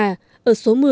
đình thanh hà